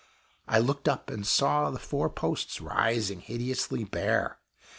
I looked up and saw the four posts rising hideously bare.